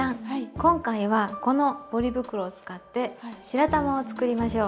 今回はこのポリ袋を使って白玉を作りましょう。